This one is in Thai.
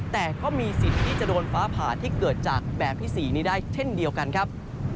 แต่ก็มีสิทธิ์ที่จะโดนฟ้าผ่าที่เกิดจากแบบที่๔นี้ได้เช่นเดียวกันครับ